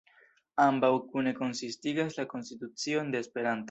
Ambaŭ kune konsistigas la konstitucion de Esperanto.